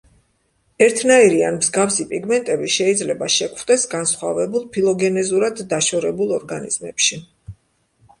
ერთნაირი ან მსგავსი პიგმენტები შეიძლება შეგვხვდეს განსხვავებულ, ფილოგენეზურად დაშორებულ ორგანიზმებში.